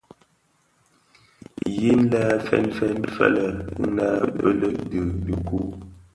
Yin lè fèn fèn fëlë nnë bëlëg bi dhikuu.